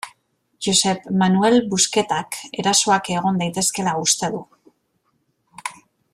Josep Manel Busquetak erasoak egon daitezkeela uste du.